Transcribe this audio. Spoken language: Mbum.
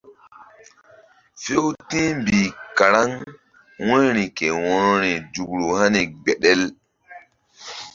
Few ti̧h mbih karaŋ wu̧yri ke wo̧rori nzukru hani gbeɗel.